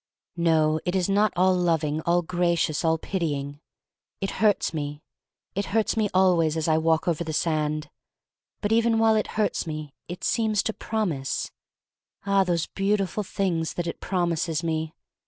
No. It is not all loving, all gracious, all pitying. It hurts me — it hurts me always as I walk over the sand. But even while it hurts me it seems to promise — ah, those beautiful things that it promises me!